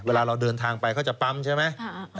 เวลาเราเดินทางไปเขาจะปั๊มใช่ไหม